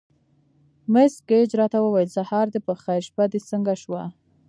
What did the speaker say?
مس ګېج راته وویل: سهار دې په خیر، شپه دې څنګه شوه؟